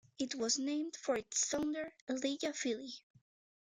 It was named for its founder, Elijah Filley.